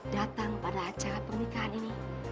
datang pada acara pernikahan ini